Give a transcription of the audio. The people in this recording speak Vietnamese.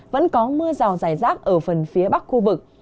vẫn có mưa rào dài rác ở phần phía bắc khu vực